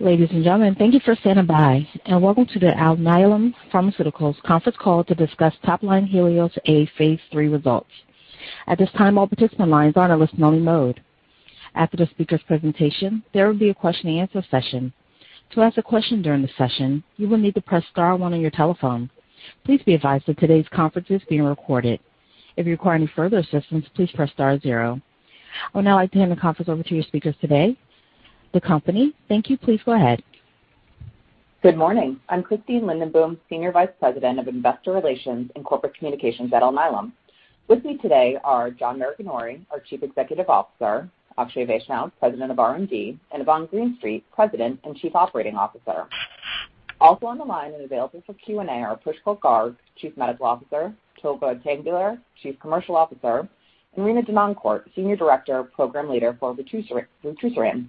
Ladies and gentlemen, thank you for standing by, and welcome to the Alnylam Pharmaceuticals conference call to discuss top-line Helios A Phase 3 results. At this time, all participant lines are in a listen-only mode. After the speaker's presentation, there will be a question-and-answer session. To ask a question during the session, you will need to press star one on your telephone. Please be advised that today's conference is being recorded. If you require any further assistance, please press star zero. I would now like to hand the conference over to your speakers today. The company, thank you, please go ahead. Good morning. I'm Christine Lindenboom, Senior Vice President of Investor Relations and Corporate Communications at Alnylam. With me today are John Maraganore, our Chief Executive Officer, Akshay Vaishnaw, President of R&D, and Yvonne Greenstreet, President and Chief Operating Officer. Also on the line and available for Q&A are Pushkal Garg, Chief Medical Officer, Tolga Tanguler, Chief Commercial Officer, and Rena Denoncourt, Senior Director, Program Leader for vutrisiran.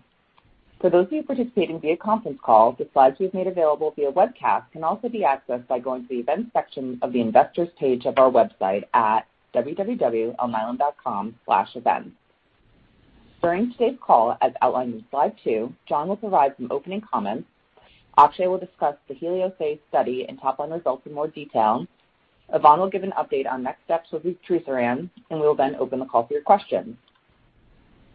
For those of you participating via conference call, the slides we have made available via webcast can also be accessed by going to the events section of the investors page of our website at www.alnylam.com/events. During today's call, as outlined in slide two, John will provide some opening comments. Akshay will discuss the Helios A study and top-line results in more detail. Yvonne will give an update on next steps with vutrisiran, and we will then open the call for your questions.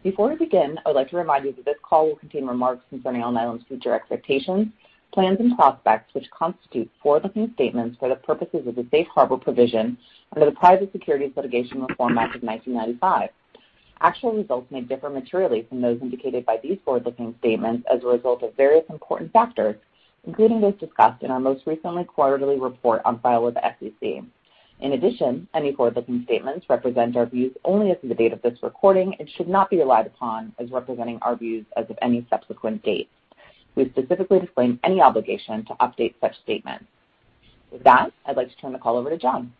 Before we begin, I would like to remind you that this call will contain remarks concerning Alnylam's future expectations, plans, and prospects which constitute forward-looking statements for the purposes of the Safe Harbor Provision under the Private Securities Litigation Reform Act of 1995. Actual results may differ materially from those indicated by these forward-looking statements as a result of various important factors, including those discussed in our most recently quarterly report on file with the SEC. In addition, any forward-looking statements represent our views only as of the date of this recording and should not be relied upon as representing our views as of any subsequent date. We specifically disclaim any obligation to update such statements. With that, I'd like to turn the call over to John.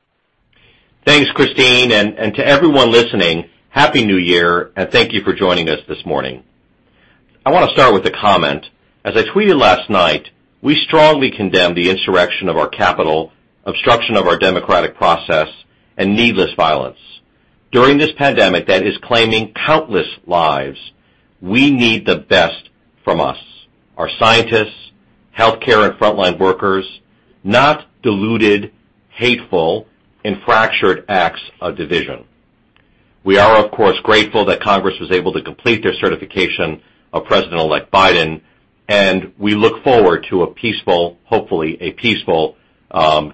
Thanks, Christine, and to everyone listening, happy New Year, and thank you for joining us this morning. I want to start with a comment. As I tweeted last night, we strongly condemn the insurrection of our Capitol, obstruction of our democratic process, and needless violence. During this pandemic that is claiming countless lives, we need the best from us, our scientists, healthcare, and front-line workers, not deluded, hateful, and fractured acts of division. We are, of course, grateful that Congress was able to complete their certification of President-elect Biden, and we look forward to a peaceful, hopefully a peaceful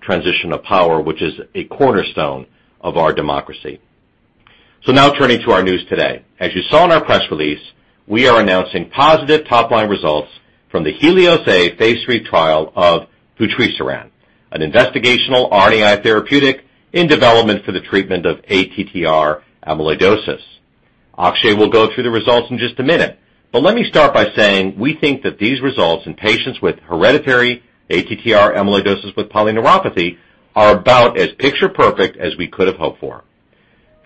transition of power, which is a cornerstone of our democracy. So now turning to our news today. As you saw in our press release, we are announcing positive top-line results from the Helios A phase 3 trial of vutrisiran, an investigational RNAi therapeutic in development for the treatment of ATTR amyloidosis. Akshay will go through the results in just a minute, but let me start by saying we think that these results in patients with hereditary ATTR amyloidosis with polyneuropathy are about as picture-perfect as we could have hoped for.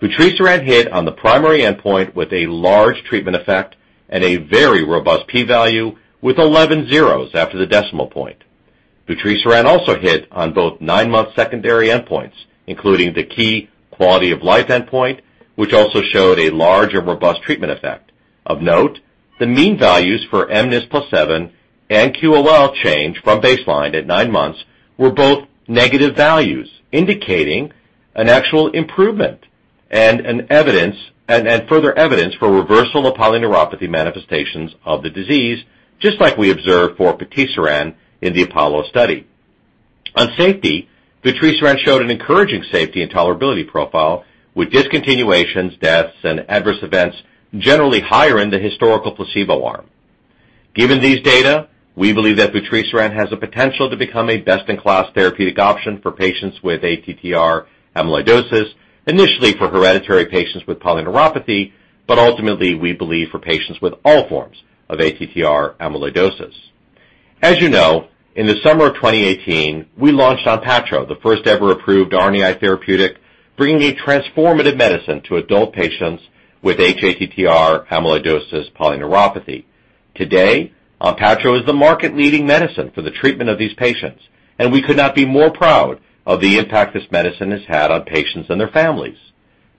Vutrisiran hit on the primary endpoint with a large treatment effect and a very robust p-value with 11 zeros after the decimal point. Vutrisiran also hit on both nine-month secondary endpoints, including the key quality of life endpoint, which also showed a large and robust treatment effect. Of note, the mean values for mNIS+7 and QOL change from baseline at nine months were both negative values, indicating an actual improvement and further evidence for reversal of polyneuropathy manifestations of the disease, just like we observed for vutrisiran in the Apollo study. On safety, vutrisiran showed an encouraging safety and tolerability profile, with discontinuations, deaths, and adverse events generally higher in the historical placebo arm. Given these data, we believe that vutrisiran has the potential to become a best-in-class therapeutic option for patients with ATTR amyloidosis, initially for hereditary patients with polyneuropathy, but ultimately we believe for patients with all forms of ATTR amyloidosis. As you know, in the summer of 2018, we launched Onpattro, the first ever approved RNAi therapeutic, bringing a transformative medicine to adult patients with hATTR amyloidosis polyneuropathy. Today, Onpattro is the market-leading medicine for the treatment of these patients, and we could not be more proud of the impact this medicine has had on patients and their families.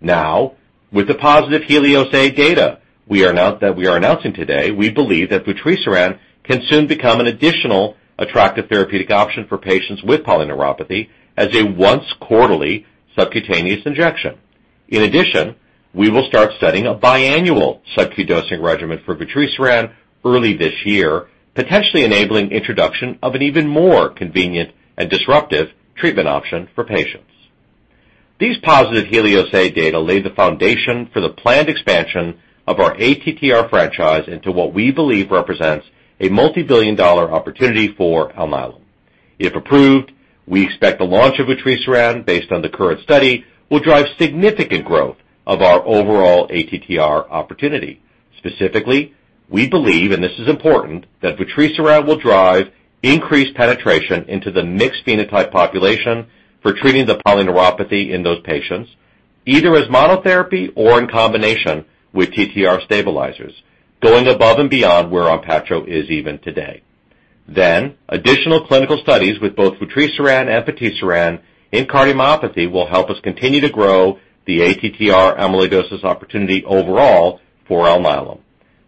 Now, with the positive Helios A data we are announcing today, we believe that Vutrisiran can soon become an additional attractive therapeutic option for patients with polyneuropathy as a once-quarterly subcutaneous injection. In addition, we will start studying a biannual subcutaneous dosing regimen for Vutrisiran early this year, potentially enabling the introduction of an even more convenient and disruptive treatment option for patients. These positive Helios A data laid the foundation for the planned expansion of our ATTR franchise into what we believe represents a multi-billion-dollar opportunity for Alnylam. If approved, we expect the launch of Vutrisiran, based on the current study, will drive significant growth of our overall ATTR opportunity. Specifically, we believe, and this is important, that vutrisiran will drive increased penetration into the mixed phenotype population for treating the polyneuropathy in those patients, either as monotherapy or in combination with TTR stabilizers, going above and beyond where Onpattro is even today. Then, additional clinical studies with both vutrisiran and vutrisiran in cardiomyopathy will help us continue to grow the ATTR amyloidosis opportunity overall for Alnylam.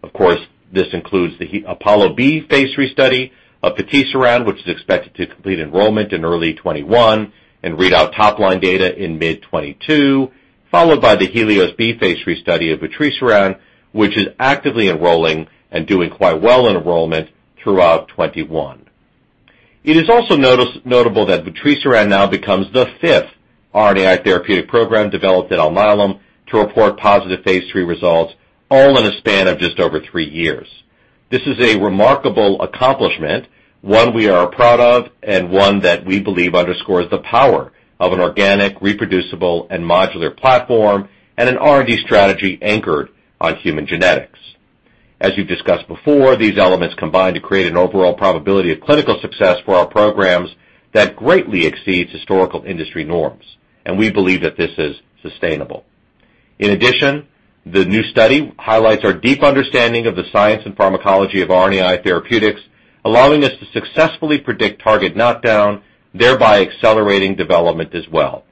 Of course, this includes the Apollo B phase 3 study of vutrisiran, which is expected to complete enrollment in early 2021 and read out top-line data in mid 2022, followed by the Helios B phase 3 study of vutrisiran, which is actively enrolling and doing quite well in enrollment throughout 2021. It is also notable that vutrisiran now becomes the fifth RNAi therapeutic program developed at Alnylam to report positive phase 3 results, all in a span of just over three years. This is a remarkable accomplishment, one we are proud of and one that we believe underscores the power of an organic, reproducible, and modular platform and an R&D strategy anchored on human genetics. As you've discussed before, these elements combine to create an overall probability of clinical success for our programs that greatly exceeds historical industry norms, and we believe that this is sustainable. In addition, the new study highlights our deep understanding of the science and pharmacology of RNAi therapeutics, allowing us to successfully predict target knockdown, thereby accelerating development as well.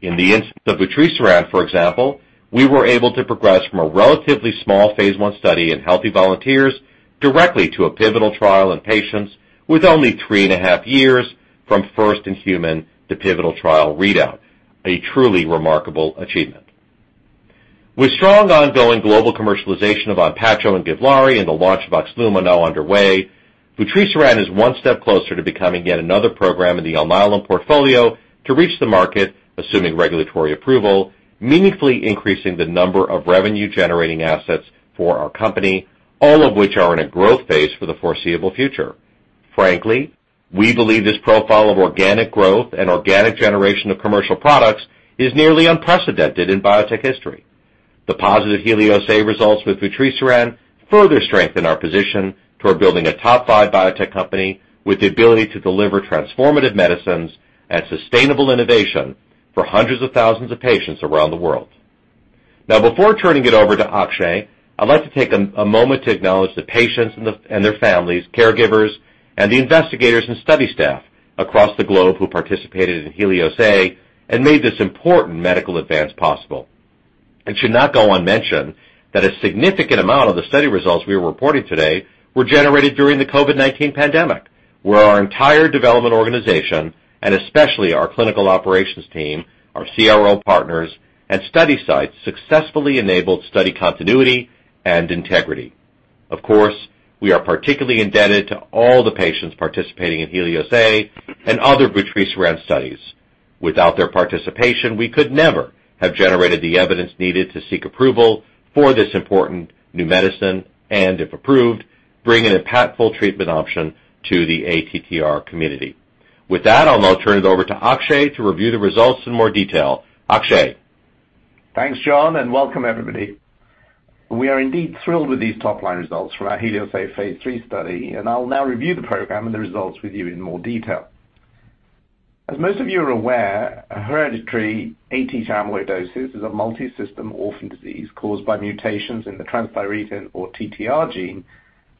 In the instance of vutrisiran, for example, we were able to progress from a relatively small phase 1 study in healthy volunteers directly to a pivotal trial in patients with only three and a half years from first in human to pivotal trial readout, a truly remarkable achievement. With strong ongoing global commercialization of Onpattro and Givlaari and the launch of Oxlumo, now underway, vutrisiran is one step closer to becoming yet another program in the Alnylam portfolio to reach the market, assuming regulatory approval, meaningfully increasing the number of revenue-generating assets for our company, all of which are in a growth phase for the foreseeable future. Frankly, we believe this profile of organic growth and organic generation of commercial products is nearly unprecedented in biotech history. The positive Helios A results with vutrisiran further strengthen our position toward building a top-five biotech company with the ability to deliver transformative medicines and sustainable innovation for hundreds of thousands of patients around the world. Now, before turning it over to Akshay, I'd like to take a moment to acknowledge the patients and their families, caregivers, and the investigators and study staff across the globe who participated in Helios A and made this important medical advance possible. It should not go unmentioned that a significant amount of the study results we are reporting today were generated during the COVID-19 pandemic, where our entire development organization, and especially our clinical operations team, our CRO partners, and study sites successfully enabled study continuity and integrity. Of course, we are particularly indebted to all the patients participating in Helios A and other vutrisiran studies. Without their participation, we could never have generated the evidence needed to seek approval for this important new medicine and, if approved, bring an impactful treatment option to the ATTR community. With that, I'll now turn it over to Akshay to review the results in more detail. Akshay. Thanks, John, and welcome, everybody. We are indeed thrilled with these top-line results from our Helios A phase 3 study, and I'll now review the program and the results with you in more detail. As most of you are aware, hereditary ATTR amyloidosis is a multisystem orphan disease caused by mutations in the transthyretin or TTR gene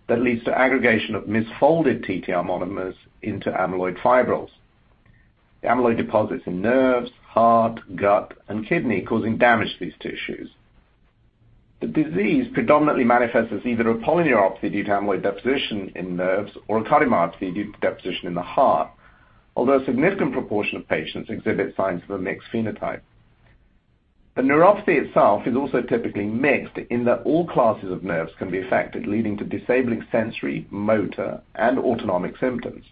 that leads to aggregation of misfolded TTR monomers into amyloid fibrils. The amyloid deposits in nerves, heart, gut, and kidney, causing damage to these tissues. The disease predominantly manifests as either a polyneuropathy due to amyloid deposition in nerves or a cardiomyopathy due to deposition in the heart, although a significant proportion of patients exhibit signs of a mixed phenotype. The neuropathy itself is also typically mixed in that all classes of nerves can be affected, leading to disabling sensory, motor, and autonomic symptoms.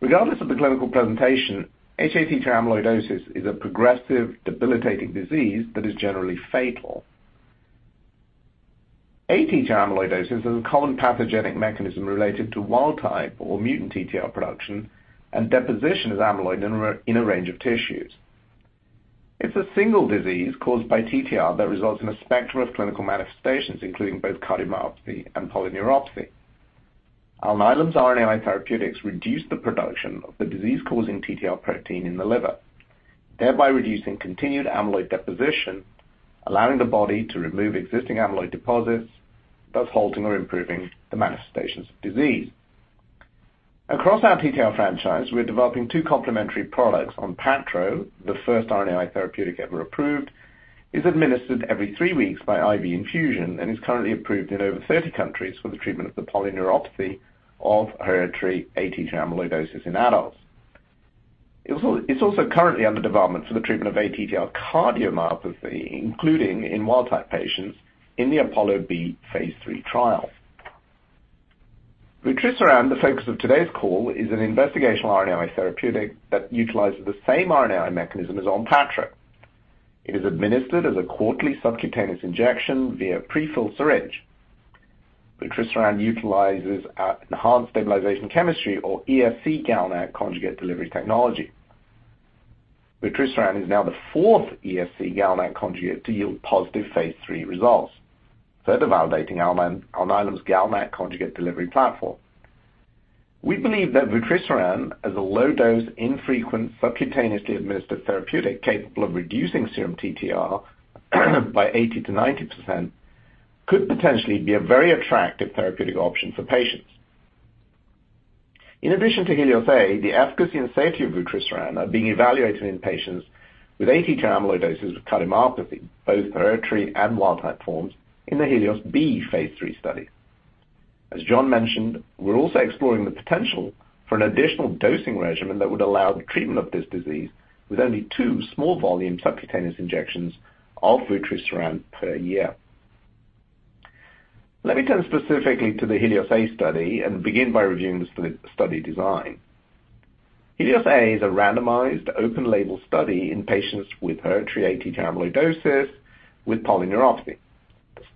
Regardless of the clinical presentation, ATTR amyloidosis is a progressive, debilitating disease that is generally fatal. ATTR amyloidosis is a common pathogenic mechanism related to wild-type or mutant TTR production and deposition of amyloid in a range of tissues. It's a single disease caused by TTR that results in a spectrum of clinical manifestations, including both cardiomyopathy and polyneuropathy. Alnylam's RNAi therapeutics reduce the production of the disease-causing TTR protein in the liver, thereby reducing continued amyloid deposition, allowing the body to remove existing amyloid deposits, thus halting or improving the manifestations of disease. Across our TTR franchise, we're developing two complementary products. Onpattro, the first RNAi therapeutic ever approved, is administered every three weeks by IV infusion and is currently approved in over 30 countries for the treatment of the polyneuropathy of hereditary ATTR amyloidosis in adults. It's also currently under development for the treatment of ATTR cardiomyopathy, including in wild-type patients in the Apollo B phase 3 trial. Vutrisaran, the focus of today's call, is an investigational RNAi therapeutic that utilizes the same RNAi mechanism as Onpattro. It is administered as a quarterly subcutaneous injection via a prefilled syringe. Vutrisaran utilizes enhanced stabilization chemistry, or ESC, GalNAc conjugate delivery technology. Vutrisaran is now the fourth ESC GalNAc conjugate to yield positive phase 3 results, further validating Alnylam's GalNAc conjugate delivery platform. We believe that Vutrisaran, as a low-dose, infrequent, subcutaneously administered therapeutic capable of reducing serum TTR by 80%-90%, could potentially be a very attractive therapeutic option for patients. In addition to Helios A, the efficacy and safety of Vutrisaran are being evaluated in patients with ATTR amyloidosis with cardiomyopathy, both hereditary and wild-type forms, in the Helios B phase 3 study. As John mentioned, we're also exploring the potential for an additional dosing regimen that would allow the treatment of this disease with only two small-volume subcutaneous injections of vutrisiran per year. Let me turn specifically to the Helios A study and begin by reviewing the study design. Helios A is a randomized, open-label study in patients with hATTR amyloidosis with polyneuropathy.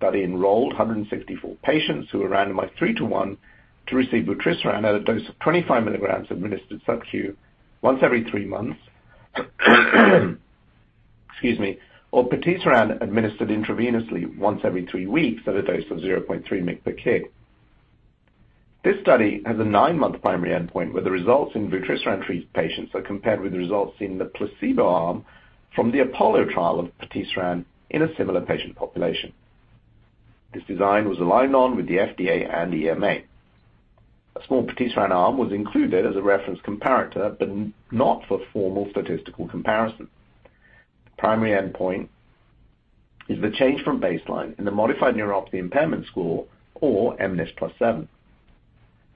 The study enrolled 164 patients who were randomized three to one to receive vutrisiran at a dose of 25 milligrams administered subcutaneously once every three months, excuse me, or patisiran administered intravenously once every three weeks at a dose of 0.3 mg per kg. This study has a nine-month primary endpoint where the results in vutrisiran treated patients are compared with the results in the placebo arm from the Apollo trial of patisiran in a similar patient population. This design was agreed on with the FDA and EMA. A small Vutrisaran arm was included as a reference comparator, but not for formal statistical comparison. The primary endpoint is the change from baseline in the modified neuropathy impairment score, or mNIS+7.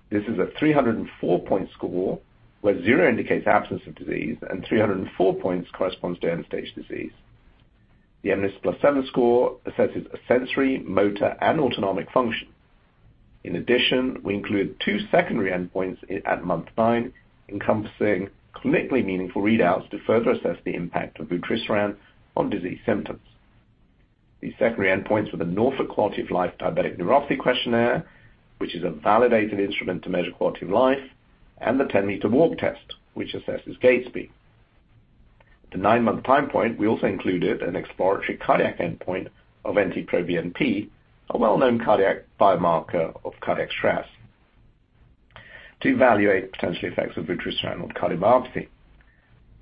This is a 304-point score where 0 indicates absence of disease and 304 points corresponds to end-stage disease. The mNIS+7 score assesses sensory, motor, and autonomic function. In addition, we included two secondary endpoints at month nine, encompassing clinically meaningful readouts to further assess the impact of Vutrisaran on disease symptoms. These secondary endpoints were the Norfolk Quality of Life Diabetic Neuropathy Questionnaire, which is a validated instrument to measure quality of life, and the 10-meter walk test, which assesses gait speed. At the nine-month time point, we also included an exploratory cardiac endpoint of NT-proBNP, a well-known cardiac biomarker of cardiac stress, to evaluate potential effects of Vutrisaran on cardiomyopathy.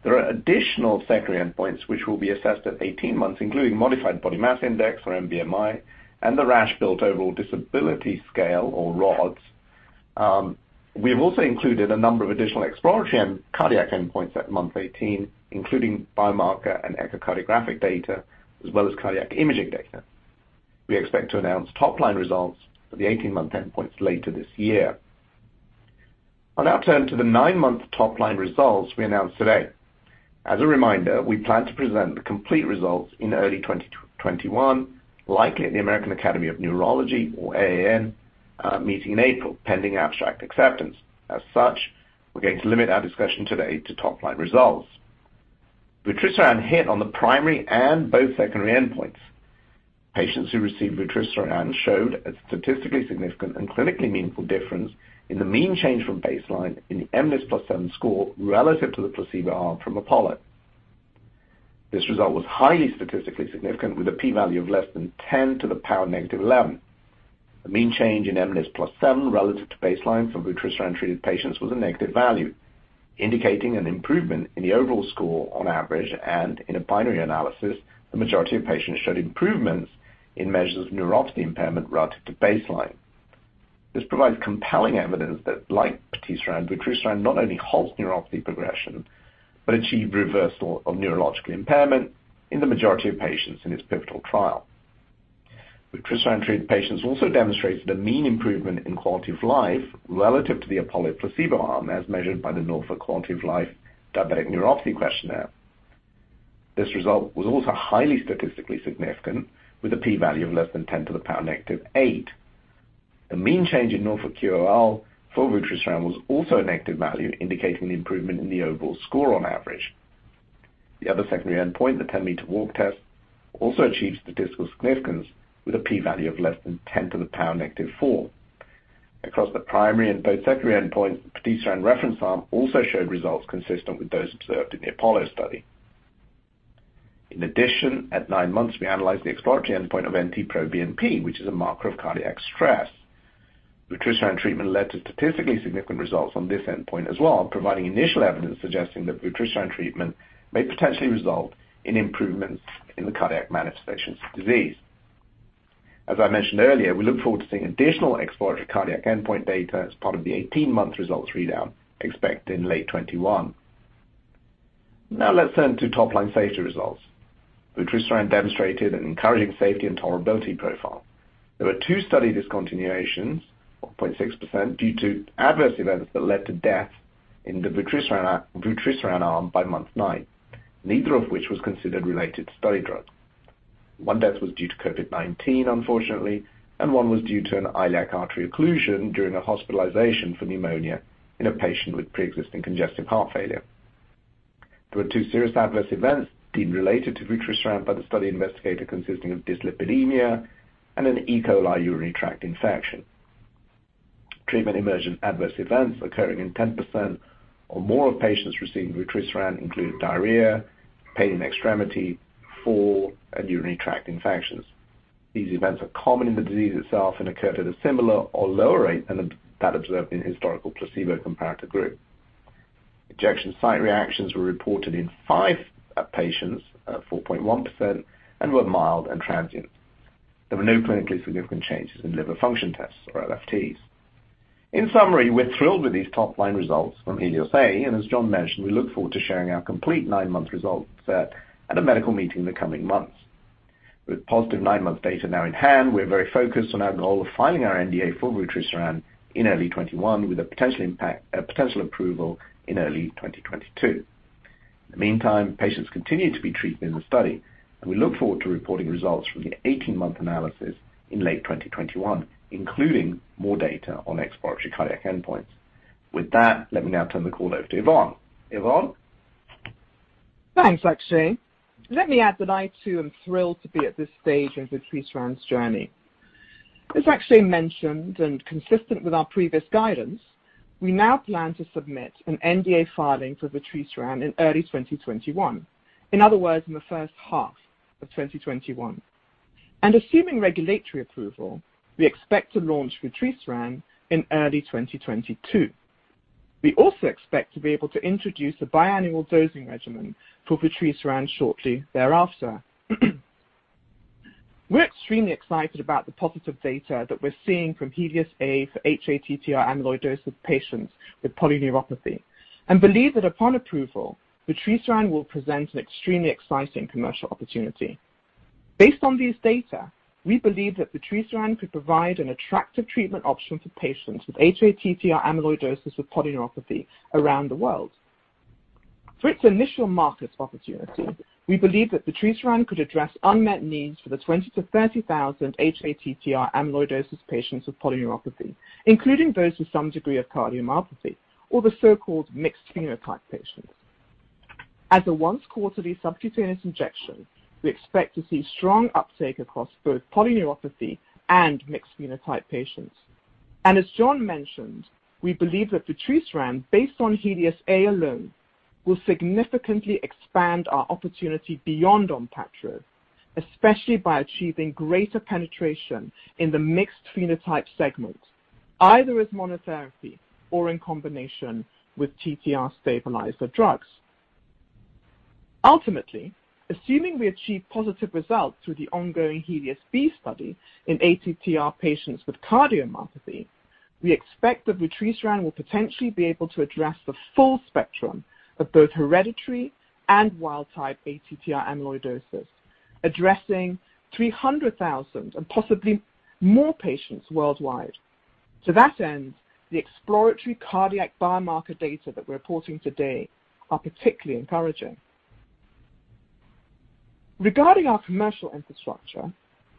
There are additional secondary endpoints which will be assessed at 18 months, including modified body mass index, or MBMI, and the Rasch-built Overall Disability Scale, or RODS. We have also included a number of additional exploratory and cardiac endpoints at month 18, including biomarker and echocardiographic data, as well as cardiac imaging data. We expect to announce top-line results for the 18-month endpoints later this year. I'll now turn to the nine-month top-line results we announced today. As a reminder, we plan to present the complete results in early 2021, likely at the American Academy of Neurology, or AAN, meeting in April, pending abstract acceptance. As such, we're going to limit our discussion today to top-line results. Vutrisaran hit on the primary and both secondary endpoints. Patients who received vutrisiran showed a statistically significant and clinically meaningful difference in the mean change from baseline in the mNIS+7 score relative to the placebo arm from Apollo. This result was highly statistically significant, with a p-value of less than 10 to the power negative 11. The mean change in mNIS+7 relative to baseline for vutrisiran-treated patients was a negative value, indicating an improvement in the overall score on average, and in a binary analysis, the majority of patients showed improvements in measures of neuropathy impairment relative to baseline. This provides compelling evidence that, like vutrisiran, vutrisiran not only halts neuropathy progression but achieves reversal of neurological impairment in the majority of patients in its pivotal trial. Vutrisiran-treated patients also demonstrated a mean improvement in quality of life relative to the Apollo placebo arm, as measured by the Norfolk Quality of Life-Diabetic Neuropathy Questionnaire. This result was also highly statistically significant, with a p-value of less than 10 to the power negative 8. The mean change in Norfolk QoL for vutrisiran was also a negative value, indicating the improvement in the overall score on average. The other secondary endpoint, the 10-meter walk test, also achieved statistical significance with a p-value of less than 10 to the power negative 4. Across the primary and both secondary endpoints, the vutrisiran reference arm also showed results consistent with those observed in the Apollo study. In addition, at nine months, we analyzed the exploratory endpoint of NT-proBNP, which is a marker of cardiac stress. Vutrisiran treatment led to statistically significant results on this endpoint as well, providing initial evidence suggesting that vutrisiran treatment may potentially result in improvements in the cardiac manifestations of disease. As I mentioned earlier, we look forward to seeing additional exploratory cardiac endpoint data as part of the 18-month results readout expected in late 2021. Now, let's turn to top-line safety results. Vutrisiran demonstrated an encouraging safety and tolerability profile. There were two study discontinuations, 0.6%, due to adverse events that led to deaths in the vutrisiran arm by month nine, neither of which was considered related to study drugs. One death was due to COVID-19, unfortunately, and one was due to an iliac artery occlusion during a hospitalization for pneumonia in a patient with pre-existing congestive heart failure. There were two serious adverse events deemed related to vutrisiran by the study investigator, consisting of dyslipidemia and an E. coli urinary tract infection. Treatment-emergent adverse events occurring in 10% or more of patients receiving vutrisiran included diarrhea, pain in extremity, fall, and urinary tract infections. These events are common in the disease itself and occurred at a similar or lower rate than that observed in historical placebo comparator group. Injection site reactions were reported in five patients, 4.1%, and were mild and transient. There were no clinically significant changes in liver function tests or LFTs. In summary, we're thrilled with these top-line results from Helios A, and as John mentioned, we look forward to sharing our complete nine-month results at a medical meeting in the coming months. With positive nine-month data now in hand, we're very focused on our goal of filing our NDA for Vutrisaran in early 2021, with a potential approval in early 2022. In the meantime, patients continue to be treated in the study, and we look forward to reporting results from the 18-month analysis in late 2021, including more data on exploratory cardiac endpoints. With that, let me now turn the call over to Yvonne. Yvonne? Thanks, Akshay. Let me add that I too am thrilled to be at this stage in Vutrisiran's journey. As Akshay mentioned and consistent with our previous guidance, we now plan to submit an NDA filing for Vutrisiran in early 2021, in other words, in the first half of 2021, and assuming regulatory approval, we expect to launch Vutrisiran in early 2022. We also expect to be able to introduce a biannual dosing regimen for Vutrisiran shortly thereafter. We're extremely excited about the positive data that we're seeing from Helios A for hATTR amyloidosis patients with polyneuropathy and believe that upon approval, Vutrisiran will present an extremely exciting commercial opportunity. Based on these data, we believe that Vutrisiran could provide an attractive treatment option for patients with hATTR amyloidosis with polyneuropathy around the world. For its initial market opportunity, we believe that Vutrisaran could address unmet needs for the 20,000 to 30,000 hATTR amyloidosis patients with polyneuropathy, including those with some degree of cardiomyopathy or the so-called mixed phenotype patients. As a once-quarterly subcutaneous injection, we expect to see strong uptake across both polyneuropathy and mixed phenotype patients, and as John mentioned, we believe that Vutrisaran, based on Helios A alone, will significantly expand our opportunity beyond ONPATTRO, especially by achieving greater penetration in the mixed phenotype segment, either as monotherapy or in combination with TTR stabilizer drugs. Ultimately, assuming we achieve positive results through the ongoing Helios B study in ATTR patients with cardiomyopathy, we expect that Vutrisaran will potentially be able to address the full spectrum of both hereditary and wild-type ATTR amyloidosis, addressing 300,000 and possibly more patients worldwide. To that end, the exploratory cardiac biomarker data that we're reporting today are particularly encouraging. Regarding our commercial infrastructure,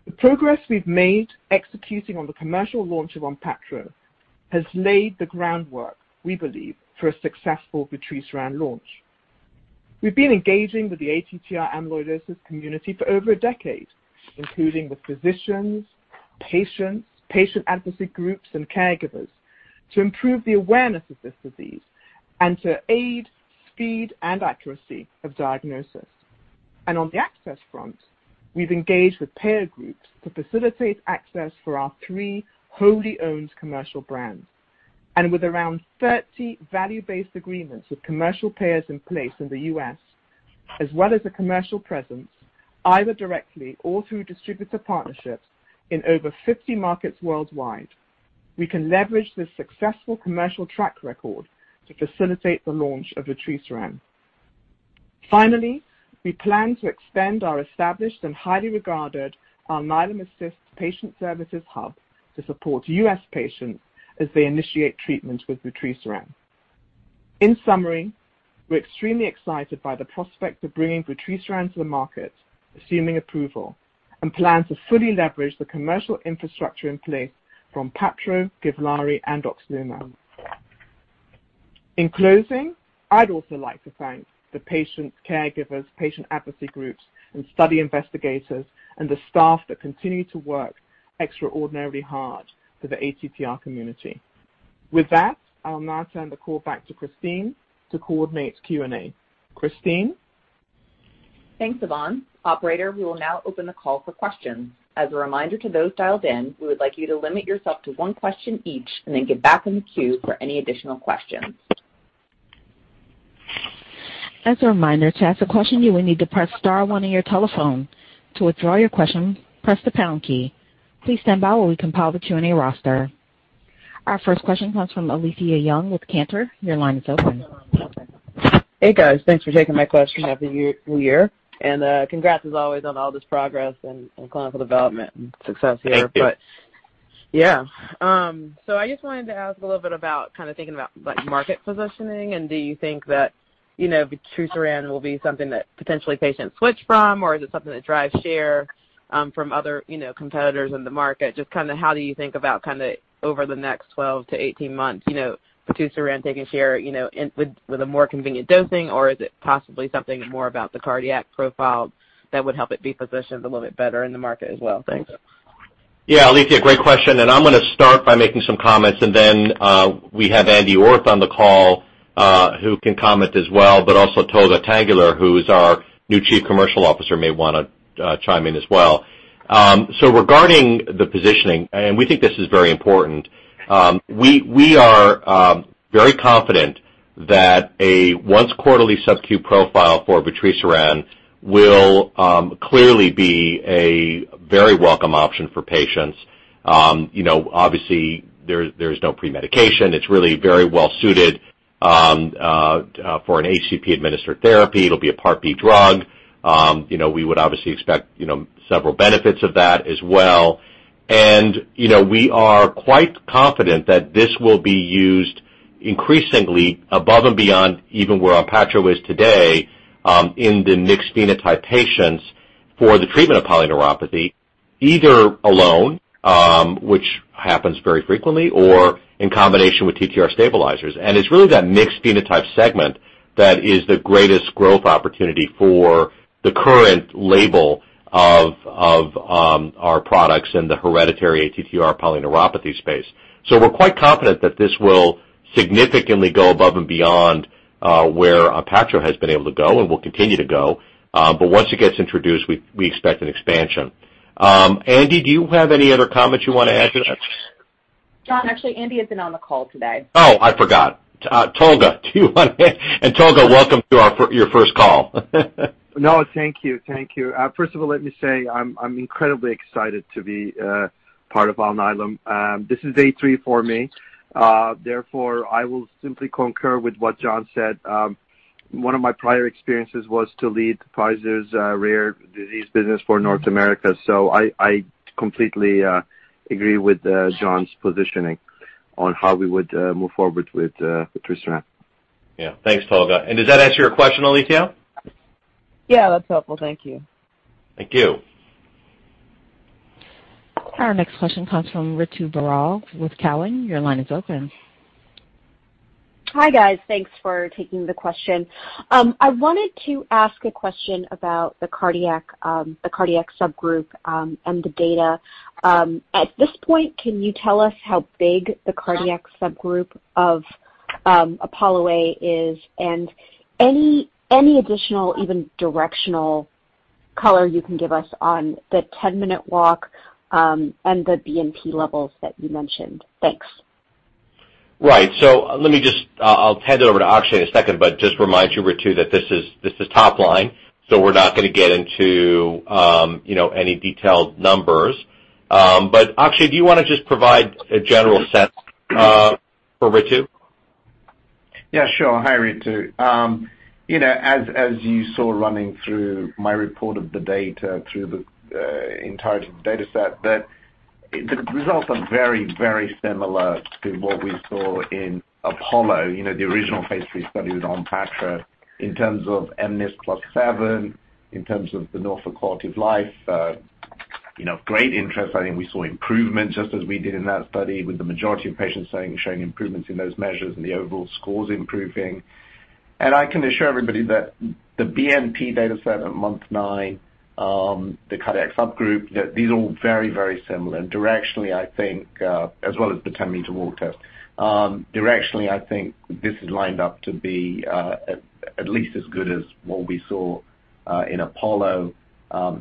the progress we've made executing on the commercial launch of ONPATTRO has laid the groundwork, we believe, for a successful vutrisiran launch. We've been engaging with the ATTR amyloidosis community for over a decade, including with physicians, patients, patient advocacy groups, and caregivers to improve the awareness of this disease and to aid speed and accuracy of diagnosis, and on the access front, we've engaged with payer groups to facilitate access for our three wholly-owned commercial brands and with around 30 value-based agreements with commercial payers in place in the U.S., as well as a commercial presence either directly or through distributor partnerships in over 50 markets worldwide. We can leverage this successful commercial track record to facilitate the launch of vutrisiran. Finally, we plan to expand our established and highly regarded Alnylam Assist patient services hub to support U.S. patients as they initiate treatment with Vutrisaran. In summary, we're extremely excited by the prospect of bringing Vutrisaran to the market, assuming approval, and plan to fully leverage the commercial infrastructure in place from Onpattro, Givlaari, and Oxlumo. In closing, I'd also like to thank the patients, caregivers, patient advocacy groups, and study investigators, and the staff that continue to work extraordinarily hard for the ATTR community. With that, I'll now turn the call back to Christine to coordinate Q&A. Christine? Thanks, Yvonne. Operator, we will now open the call for questions. As a reminder to those dialed in, we would like you to limit yourself to one question each and then get back in the queue for any additional questions. As a reminder, to ask a question, you will need to press star one on your telephone. To withdraw your question, press the pound key. Please stand by while we compile the Q&A roster. Our first question comes from Alicia Young with Cantor. Your line is open. Hey, guys. Thanks for taking my question. Happy New Year, and congrats, as always, on all this progress and clinical development and success here, but yeah, so I just wanted to ask a little bit about kind of thinking about market positioning, and do you think that vutrisiran will be something that potentially patients switch from, or is it something that drives share from other competitors in the market? Just kind of how do you think about kind of over the next 12 to 18 months, vutrisiran taking share with a more convenient dosing, or is it possibly something more about the cardiac profile that would help it be positioned a little bit better in the market as well? Thanks. Yeah, Alicia, great question. And I'm going to start by making some comments, and then we have Andy Orth on the call who can comment as well, but also Tolga Tanguler, who's our new Chief Commercial Officer, may want to chime in as well. So regarding the positioning, and we think this is very important, we are very confident that a once-quarterly subcutaneous profile for vutrisiran will clearly be a very welcome option for patients. Obviously, there's no pre-medication. It's really very well-suited for an HCP-administered therapy. It'll be a Part B drug. We would obviously expect several benefits of that as well. And we are quite confident that this will be used increasingly above and beyond even where ONPATTRO is today in the mixed phenotype patients for the treatment of polyneuropathy, either alone, which happens very frequently, or in combination with TTR stabilizers. It's really that mixed phenotype segment that is the greatest growth opportunity for the current label of our products in the hereditary ATTR polyneuropathy space. So we're quite confident that this will significantly go above and beyond where Onpattro has been able to go and will continue to go. But once it gets introduced, we expect an expansion. Andy, do you have any other comments you want to add to that? John, actually, Andy has been on the call today. Oh, I forgot. Tolga, do you want to, and Tolga, welcome to your first call. No, thank you. Thank you. First of all, let me say I'm incredibly excited to be part of Alnylam. This is day three for me. Therefore, I will simply concur with what John said. One of my prior experiences was to lead Pfizer's rare disease business for North America. So I completely agree with John's positioning on how we would move forward with vutrisiran. Yeah. Thanks, Tolga. And does that answer your question, Alicia? Yeah, that's helpful. Thank you. Thank you. Our next question comes from Ritu Baral with Cowen. Your line is open. Hi, guys. Thanks for taking the question. I wanted to ask a question about the cardiac subgroup and the data. At this point, can you tell us how big the cardiac subgroup of Apollo A is and any additional, even directional color you can give us on the 10-meter walk and the BNP levels that you mentioned? Thanks. Right. So let me just. I'll hand it over to Akshay in a second, but just remind you, Ritu, that this is top line, so we're not going to get into any detailed numbers. But Akshay, do you want to just provide a general sense for Ritu? Yeah, sure. Hi, Ritu. As you saw running through my report of the data through the entirety of the data set, the results are very, very similar to what we saw in Apollo, the original phase 3 study with Onpattro, in terms of mNIS+7, in terms of the Norfolk QoL-DN. I think we saw improvement, just as we did in that study, with the majority of patients showing improvements in those measures and the overall scores improving. And I can assure everybody that the BNP data set at month nine, the cardiac subgroup, these are all very, very similar. And directionally, I think, as well as the 10-meter walk test, directionally, I think this is lined up to be at least as good as what we saw in Apollo,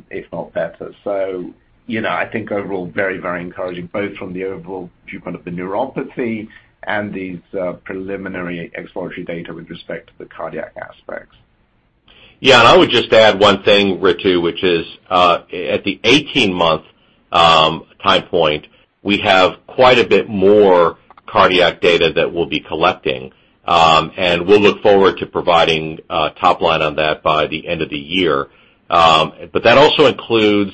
if not better. So I think overall, very, very encouraging, both from the overall viewpoint of the neuropathy and these preliminary exploratory data with respect to the cardiac aspects. Yeah. And I would just add one thing, Ritu, which is at the 18-month time point, we have quite a bit more cardiac data that we'll be collecting. And we'll look forward to providing top line on that by the end of the year. But that also includes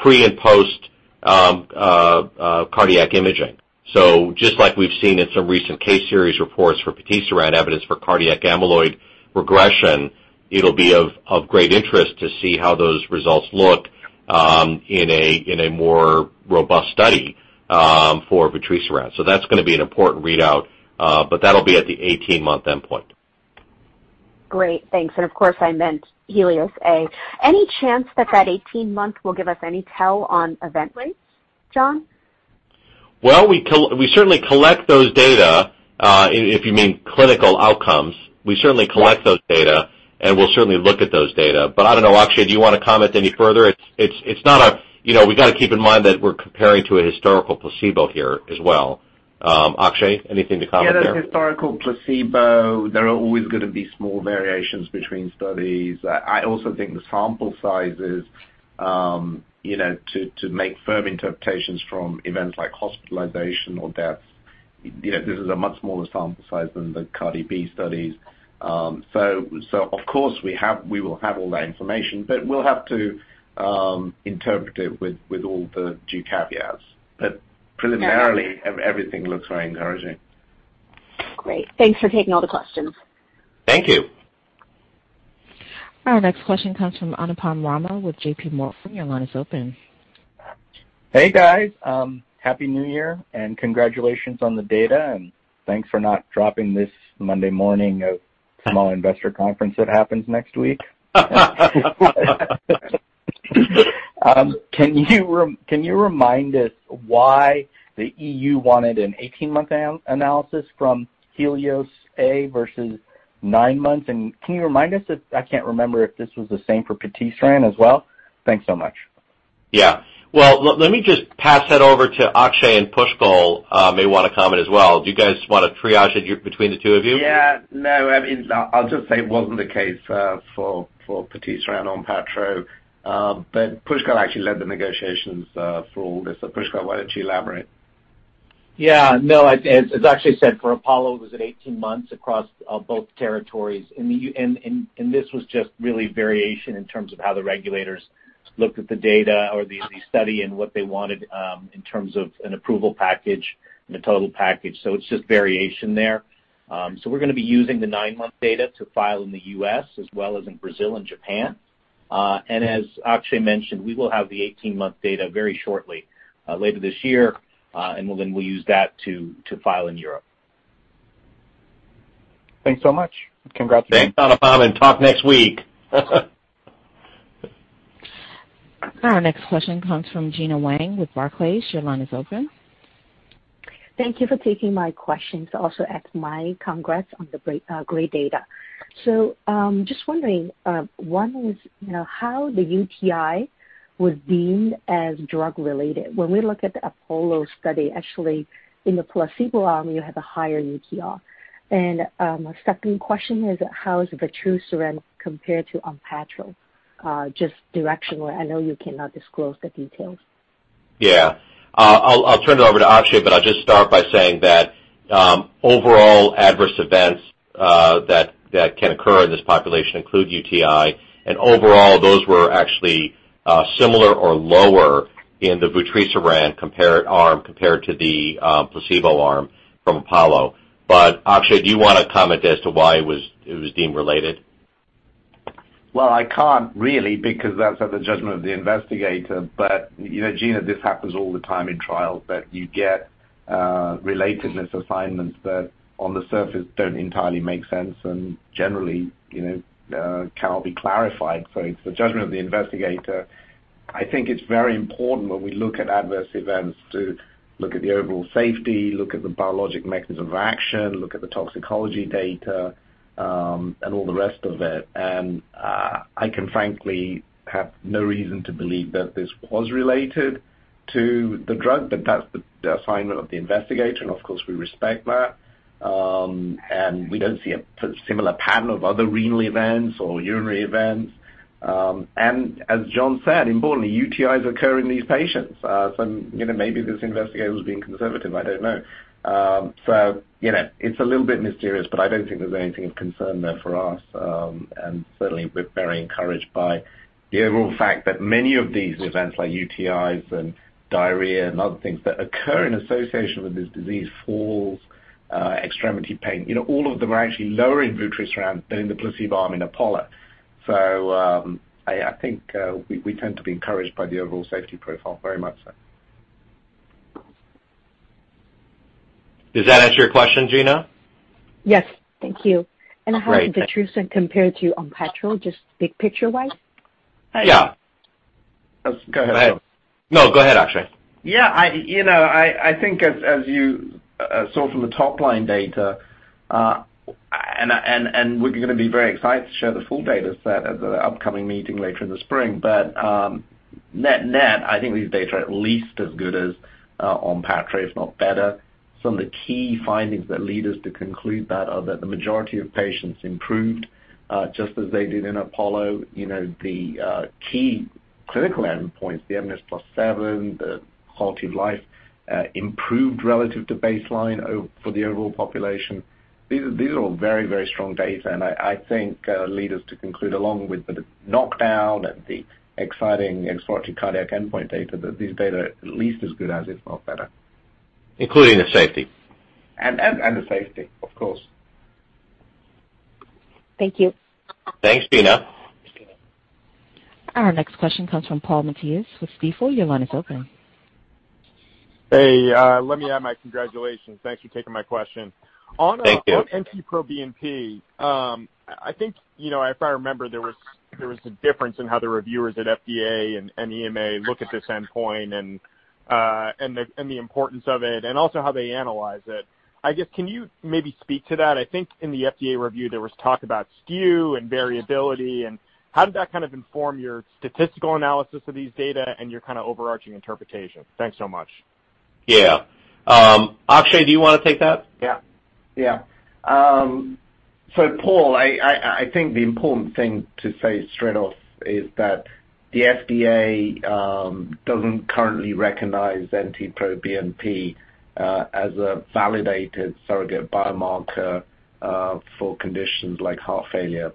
pre- and post-cardiac imaging. So just like we've seen in some recent case series reports for Vutrisaran evidence for cardiac amyloid regression, it'll be of great interest to see how those results look in a more robust study for Vutrisaran. So that's going to be an important readout, but that'll be at the 18-month endpoint. Great. Thanks. And of course, I meant Helios A. Any chance that that 18-month will give us any tell on event rates, John? We certainly collect those data. If you mean clinical outcomes, we certainly collect those data, and we'll certainly look at those data. But I don't know, Akshay, do you want to comment any further? It's not a. We've got to keep in mind that we're comparing to a historical placebo here as well. Akshay, anything to comment there? Yeah, the historical placebo, there are always going to be small variations between studies. I also think the sample sizes, to make firm interpretations from events like hospitalization or deaths, this is a much smaller sample size than the Helios-B studies, so of course, we will have all that information, but we'll have to interpret it with all the due caveats, but preliminarily, everything looks very encouraging. Great. Thanks for taking all the questions. Thank you. Our next question comes from Anupam Rama with J.P. Morgan. Your line is open. Hey, guys. Happy New Year and congratulations on the data, and thanks for not dropping this Monday morning of small investor conference that happens next week. Can you remind us why the EU wanted an 18-month analysis from Helios A versus 9 months, and can you remind us? I can't remember if this was the same for patisiran as well. Thanks so much. Yeah. Well, let me just pass that over to Akshay, and Pushkal may want to comment as well. Do you guys want to triage it between the two of you? Yeah. No, I mean, I'll just say it wasn't the case for patisiran and Onpattro. But Pushkal actually led the negotiations for all this. So Pushkal, why don't you elaborate? Yeah. No, as Akshay said, for Apollo, it was at 18 months across both territories. And this was just really variation in terms of how the regulators looked at the data or the study and what they wanted in terms of an approval package and a total package. So it's just variation there. So we're going to be using the nine-month data to file in the U.S. as well as in Brazil and Japan. And as Akshay mentioned, we will have the 18-month data very shortly later this year, and then we'll use that to file in Europe. Thanks so much. Congratulations. Thanks, Anupam. And talk next week. Our next question comes from Gina Wang with Barclays. Your line is open. Thank you for taking my questions to also add my congrats on the great data. So just wondering, one is how the UTI was deemed as drug-related. When we look at the Apollo study, actually, in the placebo arm, you have a higher UTI. And my second question is, how is vutrisiran compared to Onpattro? Just directionally, I know you cannot disclose the details. Yeah. I'll turn it over to Akshay, but I'll just start by saying that overall adverse events that can occur in this population include UTI. And overall, those were actually similar or lower in the vutrisiran arm compared to the placebo arm from Apollo. But Akshay, do you want to comment as to why it was deemed related? I can't really because that's at the judgment of the investigator. But Gina, this happens all the time in trials that you get relatedness assignments that on the surface don't entirely make sense and generally cannot be clarified. So it's the judgment of the investigator. I think it's very important when we look at adverse events to look at the overall safety, look at the biologic mechanism of action, look at the toxicology data, and all the rest of it. And I can frankly have no reason to believe that this was related to the drug, but that's the assignment of the investigator. And of course, we respect that. And we don't see a similar pattern of other renal events or urinary events. And as John said, importantly, UTIs occur in these patients. So maybe this investigator was being conservative. I don't know. So it's a little bit mysterious, but I don't think there's anything of concern there for us. And certainly, we're very encouraged by the overall fact that many of these events like UTIs and diarrhea and other things that occur in association with this disease, falls, extremity pain, all of them are actually lower in vutrisiran than in the placebo arm in Apollo. So I think we tend to be encouraged by the overall safety profile. Very much so. Does that answer your question, Gina? Yes. Thank you. How is Vutrisaran compared to Onpattro, just big picture-wise? Yeah. Go ahead. No, go ahead, Akshay. Yeah. I think as you saw from the top line data, and we're going to be very excited to share the full data set at the upcoming meeting later in the spring. But net, net, I think these data are at least as good as Onpattro, if not better. Some of the key findings that lead us to conclude that are that the majority of patients improved just as they did in Apollo. The key clinical endpoints, the mNIS+7, the quality of life improved relative to baseline for the overall population. These are all very, very strong data. And I think lead us to conclude along with the knockdown and the exciting exploratory cardiac endpoint data that these data are at least as good as, if not better. Including the safety. The safety, of course. Thank you. Thanks, Gina. Our next question comes from Paul Matteis with Stifel. Your line is open. Hey. Let me add my congratulations. Thanks for taking my question. Thank you. On NT-proBNP, I think if I remember, there was a difference in how the reviewers at FDA and EMA look at this endpoint and the importance of it and also how they analyze it. I guess, can you maybe speak to that? I think in the FDA review, there was talk about skew and variability. And how did that kind of inform your statistical analysis of these data and your kind of overarching interpretation? Thanks so much. Yeah. Akshay, do you want to take that? Yeah. Yeah. So Paul, I think the important thing to say straight off is that the FDA doesn't currently recognize NT-proBNP as a validated surrogate biomarker for conditions like heart failure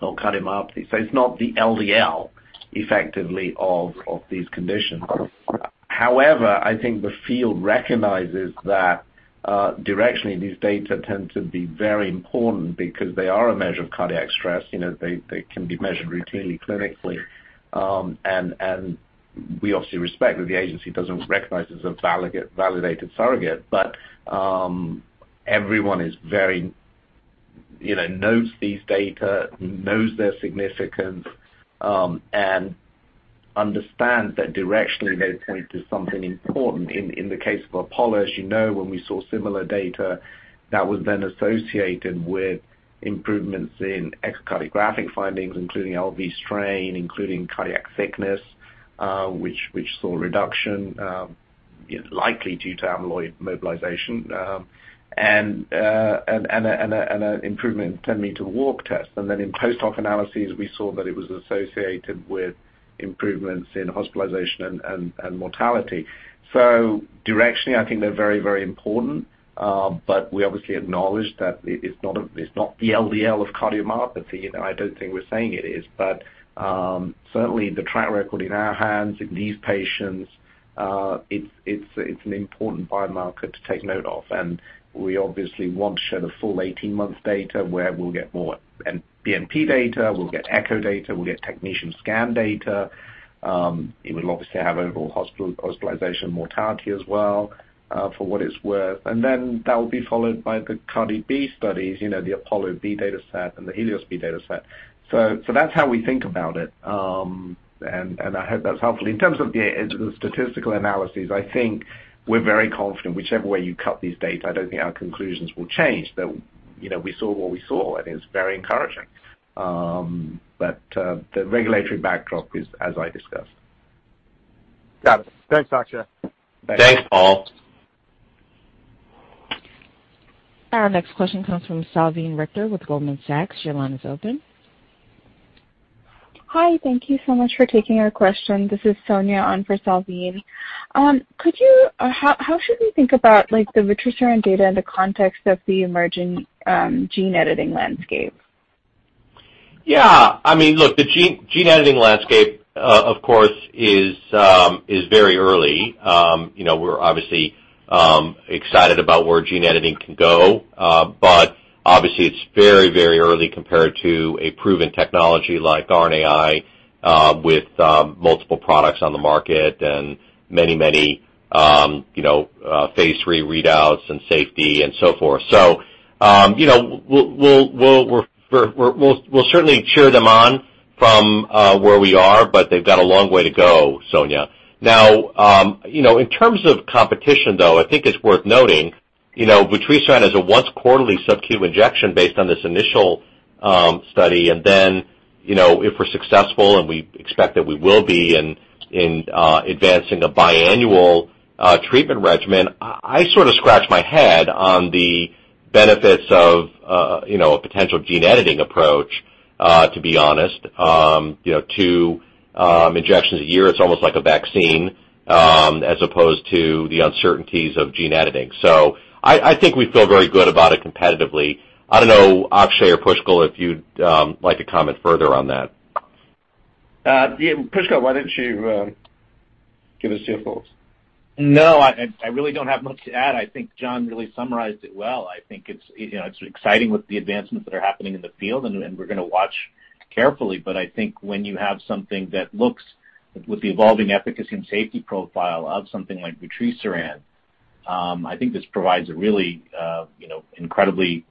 or cardiomyopathy. So it's not the LDL effectively of these conditions. However, I think the field recognizes that directionally, these data tend to be very important because they are a measure of cardiac stress. They can be measured routinely clinically. And we obviously respect that the agency doesn't recognize it as a validated surrogate, but everyone notes these data, knows their significance, and understands that directionally, they point to something important. In the case of Apollo, as you know, when we saw similar data, that was then associated with improvements in echocardiographic findings, including LV strain, including cardiac thickness, which saw reduction likely due to amyloid mobilization and an improvement in 10-meter walk test. Then in post-hoc analyses, we saw that it was associated with improvements in hospitalization and mortality. Directionally, I think they're very, very important, but we obviously acknowledge that it's not the gold standard of cardiomyopathy. I don't think we're saying it is. Certainly, the track record in our hands in these patients, it's an important biomarker to take note of. We obviously want to share the full 18-month data where we'll get more BNP data, we'll get echo data, we'll get technetium scan data. It will obviously have overall hospitalization mortality as well for what it's worth. Then that will be followed by the cardiac studies, the Apollo B data set, and the Helios B data set. That's how we think about it. I hope that's helpful. In terms of the statistical analyses, I think we're very confident whichever way you cut these data. I don't think our conclusions will change, that we saw what we saw. And it's very encouraging. But the regulatory backdrop is, as I discussed. Got it. Thanks, Akshay. Thanks. Thanks, Paul. Our next question comes from Salveen Richter with Goldman Sachs. Your line is open. Hi. Thank you so much for taking our question. This is Sonya on for Salveen. How should we think about the Vutrisaran data in the context of the emerging gene editing landscape? Yeah. I mean, look, the gene editing landscape, of course, is very early. We're obviously excited about where gene editing can go. But obviously, it's very, very early compared to a proven technology like RNAi with multiple products on the market and many, many phase three readouts and safety and so forth. So we'll certainly cheer them on from where we are, but they've got a long way to go, Sonya. Now, in terms of competition, though, I think it's worth noting vutrisiran as a once-quarterly subcu injection based on this initial study. And then if we're successful, and we expect that we will be in advancing a biannual treatment regimen, I sort of scratch my head on the benefits of a potential gene editing approach, to be honest. Two injections a year, it's almost like a vaccine as opposed to the uncertainties of gene editing. So I think we feel very good about it competitively. I don't know, Akshay or Pushkal, if you'd like to comment further on that? Pushkal, why don't you give us your thoughts? No, I really don't have much to add. I think John really summarized it well. I think it's exciting with the advancements that are happening in the field, and we're going to watch carefully. But I think when you have something that looks with the evolving efficacy and safety profile of something like vutrisiran, I think this provides a really incredibly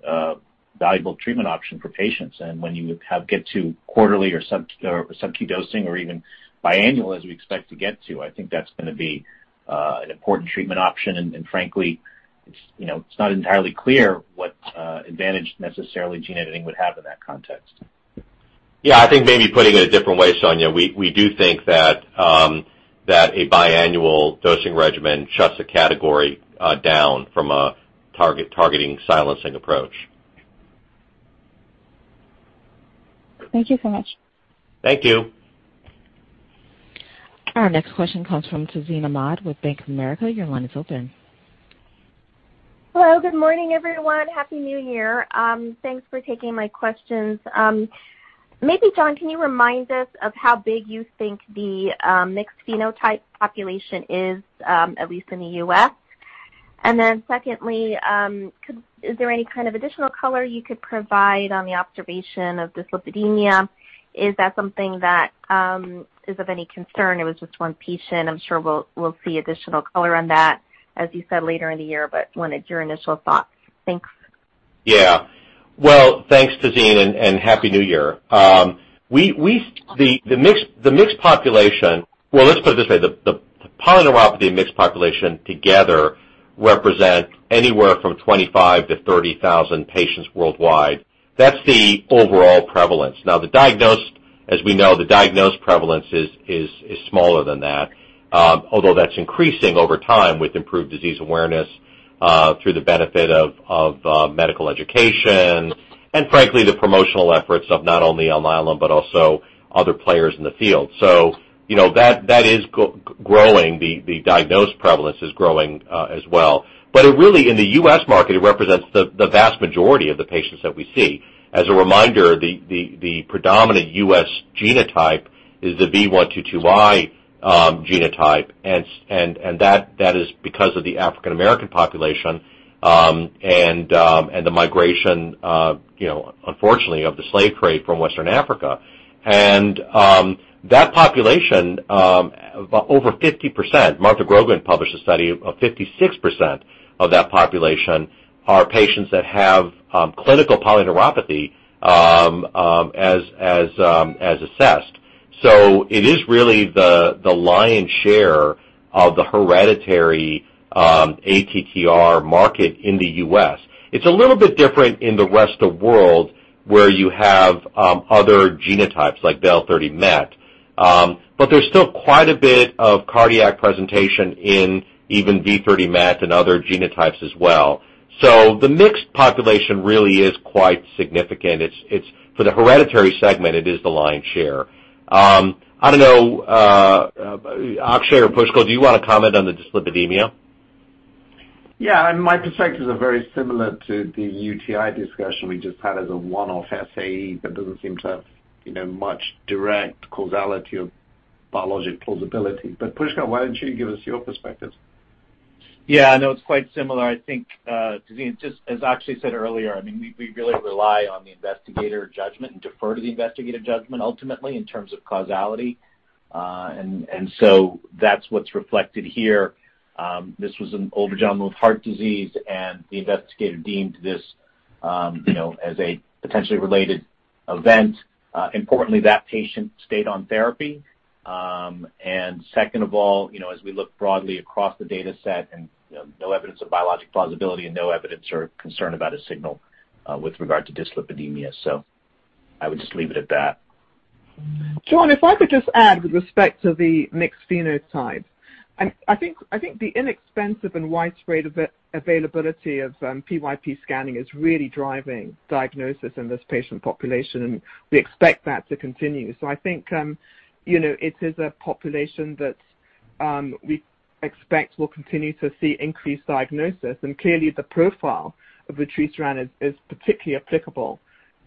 valuable treatment option for patients. And when you get to quarterly or subcu dosing or even biannual, as we expect to get to, I think that's going to be an important treatment option. And frankly, it's not entirely clear what advantage necessarily gene editing would have in that context. Yeah. I think maybe putting it a different way, Sonya, we do think that a biannual dosing regimen shuts the category down from a targeting silencing approach. Thank you so much. Thank you. Our next question comes from Tazeen Ahmad with Bank of America. Your line is open. Hello. Good morning, everyone. Happy New Year. Thanks for taking my questions. Maybe, John, can you remind us of how big you think the mixed phenotype population is, at least in the U.S.? And then secondly, is there any kind of additional color you could provide on the observation of dyslipidemia? Is that something that is of any concern? It was just one patient. I'm sure we'll see additional color on that, as you said, later in the year. But what are your initial thoughts? Thanks. Yeah. Well, thanks, Tazeen, and happy New Year. The mixed population, well, let's put it this way, the polyneuropathy mixed population together represents anywhere from 25,000-30,000 patients worldwide. That's the overall prevalence. Now, as we know, the diagnosed prevalence is smaller than that, although that's increasing over time with improved disease awareness through the benefit of medical education and, frankly, the promotional efforts of not only Alnylam but also other players in the field. So that is growing. The diagnosed prevalence is growing as well. But really, in the U.S. market, it represents the vast majority of the patients that we see. As a reminder, the predominant U.S. genotype is the V122I genotype. And that is because of the African-American population and the migration, unfortunately, of the slave trade from West Africa. And that population, over 50%. Martha Grogan published a study of 56% of that population are patients that have clinical polyneuropathy as assessed. So it is really the lion's share of the hereditary ATTR market in the U.S. It's a little bit different in the rest of the world where you have other genotypes like Del30Met, but there's still quite a bit of cardiac presentation in even V30Met and other genotypes as well. So the mixed population really is quite significant. For the hereditary segment, it is the lion's share. I don't know, Akshay or Pushkal, do you want to comment on the dyslipidemia? Yeah. My perspectives are very similar to the UTI discussion we just had as a one-off SAE that doesn't seem to have much direct causality or biologic plausibility. But Pushkal, why don't you give us your perspectives? Yeah. I know it's quite similar. I think, as Akshay said earlier, I mean, we really rely on the investigator judgment and defer to the investigator judgment ultimately in terms of causality. And so that's what's reflected here. This was an older gentleman with heart disease, and the investigator deemed this as a potentially related event. Importantly, that patient stayed on therapy. And second of all, as we look broadly across the data set, no evidence of biologic plausibility and no evidence or concern about a signal with regard to dyslipidemia. So I would just leave it at that. John, if I could just add with respect to the mixed phenotype, I think the inexpensive and widespread availability of PYP scanning is really driving diagnosis in this patient population, and we expect that to continue, so I think it is a population that we expect will continue to see increased diagnosis, and clearly, the profile of vutrisiran is particularly applicable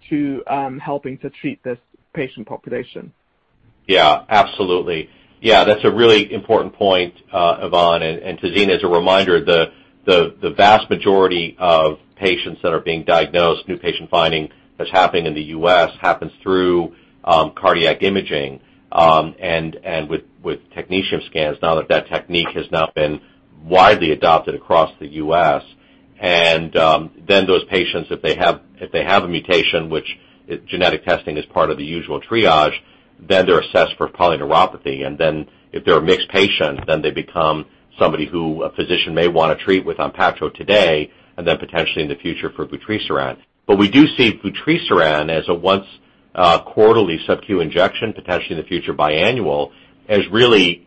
to helping to treat this patient population. Yeah. Absolutely. Yeah. That's a really important point, Yvonne. And Tazeen, as a reminder, the vast majority of patients that are being diagnosed, new patient finding that's happening in the U.S. happens through cardiac imaging and with technetium scans now that that technique has now been widely adopted across the U.S. And then those patients, if they have a mutation, which genetic testing is part of the usual triage, then they're assessed for polyneuropathy. And then if they're a mixed patient, then they become somebody who a physician may want to treat with Onpattro today and then potentially in the future for Vutrisaran. But we do see Vutrisaran as a once-quarterly subcu injection, potentially in the future biannual, as really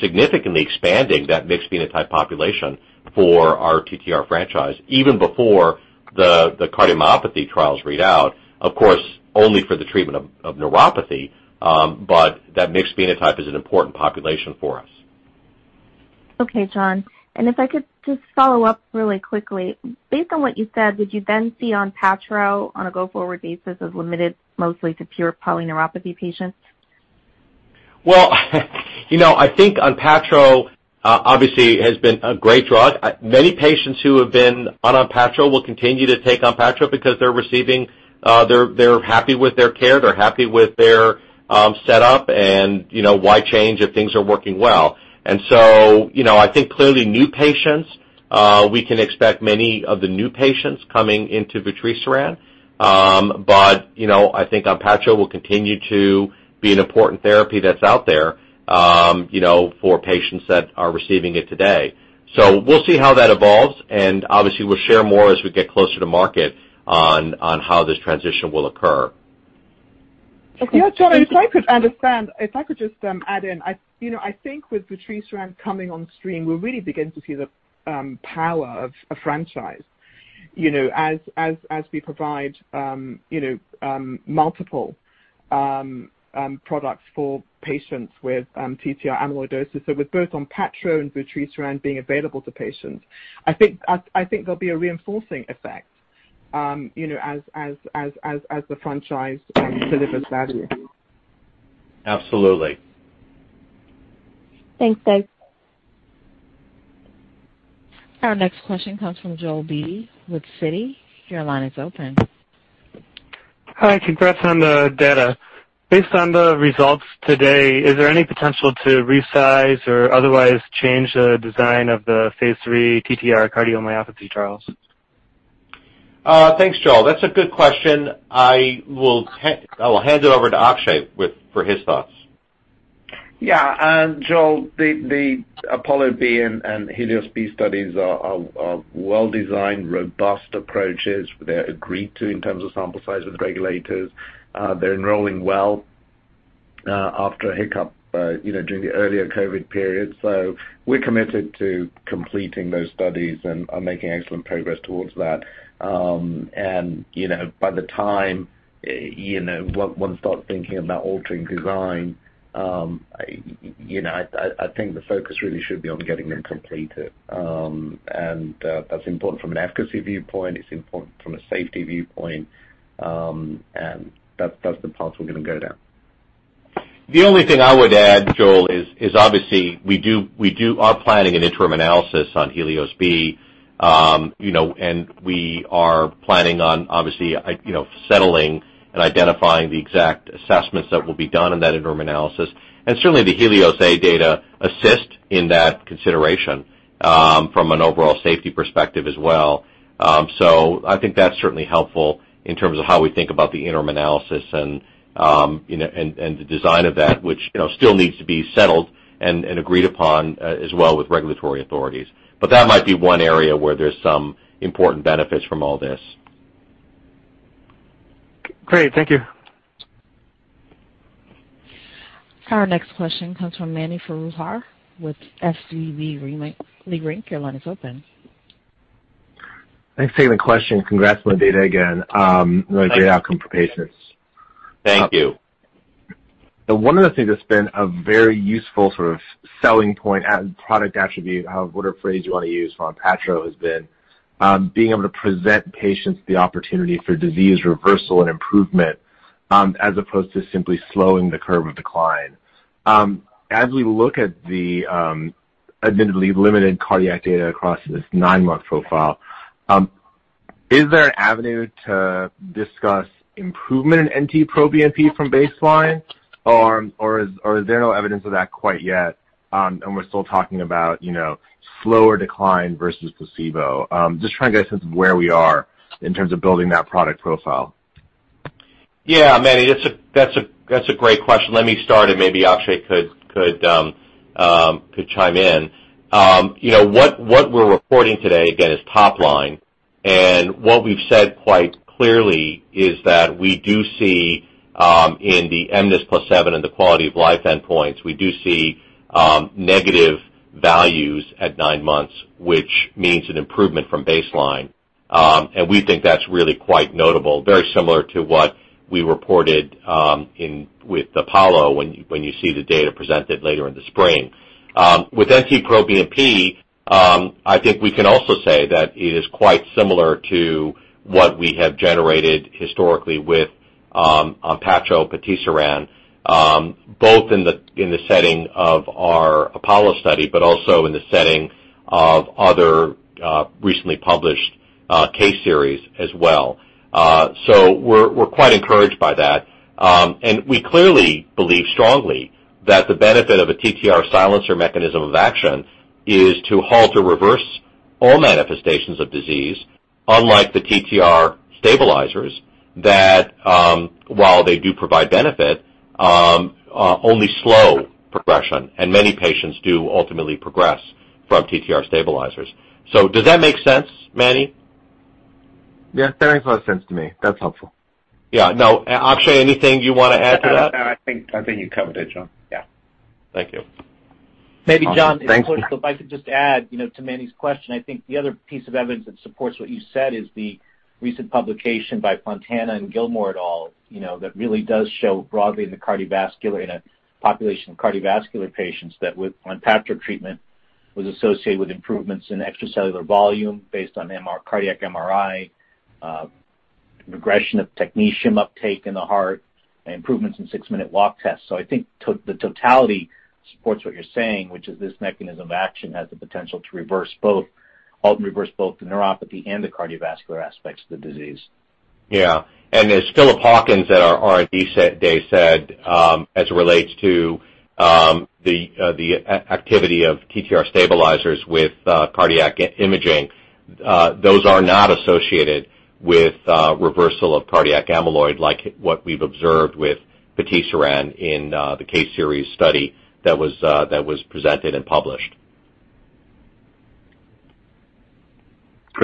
significantly expanding that mixed phenotype population for our TTR franchise, even before the cardiomyopathy trials read out, of course, only for the treatment of neuropathy. But that mixed phenotype is an important population for us. Okay, John. And if I could just follow up really quickly, based on what you said, would you then see Onpattro on a go-forward basis as limited mostly to pure polyneuropathy patients? I think Onpattro obviously has been a great drug. Many patients who have been on Onpattro will continue to take Onpattro because they're happy with their care. They're happy with their setup. Why change if things are working well? I think clearly new patients we can expect many of the new patients coming into vutrisiran. I think Onpattro will continue to be an important therapy that's out there for patients that are receiving it today. We'll see how that evolves. Obviously, we'll share more as we get closer to market on how this transition will occur. Yeah. John, if I could just add in, I think with vutrisiran coming on stream, we're really beginning to see the power of a franchise as we provide multiple products for patients with TTR amyloidosis. So with both ONPATTRO and vutrisiran being available to patients, I think there'll be a reinforcing effect as the franchise delivers value. Absolutely. Thanks, Doug. Our next question comes from Joel Beatty with Citi. Your line is open. Hi. Congrats on the data. Based on the results today, is there any potential to resize or otherwise change the design of the phase three TTR cardiomyopathy trials? Thanks, Joel. That's a good question. I will hand it over to Akshay for his thoughts. Yeah. Joel, the Apollo B and Helios B studies are well-designed, robust approaches. They're agreed to in terms of sample size with regulators. They're enrolling well after a hiccup during the earlier COVID period. So we're committed to completing those studies and making excellent progress towards that. And by the time one starts thinking about altering design, I think the focus really should be on getting them completed. And that's important from an efficacy viewpoint. It's important from a safety viewpoint. And that's the path we're going to go down. The only thing I would add, Joel, is obviously we are planning an interim analysis on Helios B, and we are planning on obviously settling and identifying the exact assessments that will be done in that interim analysis, and certainly, the Helios A data assist in that consideration from an overall safety perspective as well, so I think that's certainly helpful in terms of how we think about the interim analysis and the design of that, which still needs to be settled and agreed upon as well with regulatory authorities, but that might be one area where there's some important benefits from all this. Great. Thank you. Our next question comes from Mani Foroohar with SVB Leerink. Your line is open. Thanks for taking the question. Congrats on the data again. Really great outcome for patients. Thank you. One of the things that's been a very useful sort of selling point and product attribute, whatever phrase you want to use for Onpattro, has been being able to present patients the opportunity for disease reversal and improvement as opposed to simply slowing the curve of decline. As we look at the admittedly limited cardiac data across this nine-month profile, is there an avenue to discuss improvement in NT-proBNP from baseline, or is there no evidence of that quite yet? And we're still talking about slower decline versus placebo. Just trying to get a sense of where we are in terms of building that product profile. Yeah. Manny, that's a great question. Let me start, and maybe Akshay could chime in. What we're reporting today, again, is top line. What we've said quite clearly is that we do see in the mNIS+7 and the quality of life endpoints, we do see negative values at nine months, which means an improvement from baseline. We think that's really quite notable, very similar to what we reported with the Apollo when you see the data presented later in the spring. With NT-proBNP, I think we can also say that it is quite similar to what we have generated historically with Onpattro/patisiran, both in the setting of our Apollo study but also in the setting of other recently published case series as well. We're quite encouraged by that. We clearly believe strongly that the benefit of a TTR silencer mechanism of action is to halt or reverse all manifestations of disease, unlike the TTR stabilizers that, while they do provide benefit, only slow progression. Many patients do ultimately progress from TTR stabilizers. Does that make sense, Manny? Yeah. That makes a lot of sense to me. That's helpful. Yeah. Now, Akshay, anything you want to add to that? No, I think you covered it, John. Yeah. Thank you. Maybe, John, if I could just add to Manny's question, I think the other piece of evidence that supports what you said is the recent publication by Fontana and Gilmore et al. that really does show broadly in the cardiovascular in a population of cardiovascular patients that with Onpattro treatment was associated with improvements in extracellular volume based on cardiac MRI, regression of technetium uptake in the heart, and improvements in six-minute walk tests, so I think the totality supports what you're saying, which is this mechanism of action has the potential to reverse both the neuropathy and the cardiovascular aspects of the disease. Yeah, and as Philip Hawkins at our R&D day said, as it relates to the activity of TTR stabilizers with cardiac imaging, those are not associated with reversal of cardiac amyloid like what we've observed with patisiran in the case series study that was presented and published.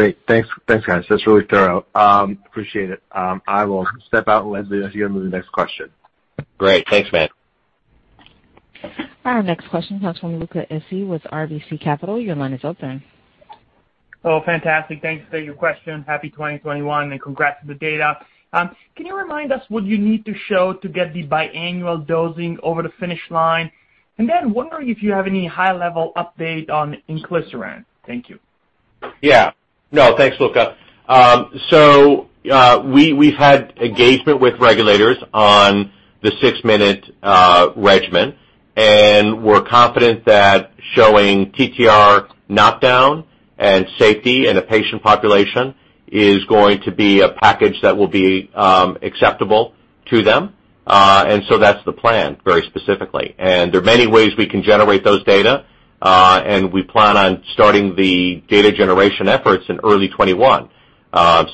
Great. Thanks, guys. That's really thorough. Appreciate it. I will step out, and Leslie, I'll let you go to the next question. Great. Thanks, man. Our next question comes from Luca Issi with RBC Capital. Your line is open. Oh, fantastic. Thanks for your question. Happy 2021. And congrats on the data. Can you remind us what you need to show to get the biannual dosing over the finish line? And then wondering if you have any high-level update on inclisiran. Thank you. Yeah. No, thanks, Luca. So we've had engagement with regulators on the six-month regimen. And we're confident that showing TTR knockdown and safety in a patient population is going to be a package that will be acceptable to them. And so that's the plan very specifically. And there are many ways we can generate those data. And we plan on starting the data generation efforts in early 2021.